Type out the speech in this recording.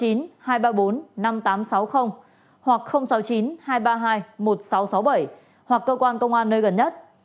hoặc cơ quan công an nơi gần nhất